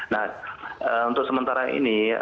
nah untuk sementara ini